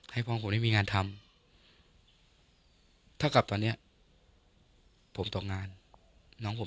ให้พ่อผมได้มีงานทำเท่ากับตอนเนี้ยผมตกงานน้องผม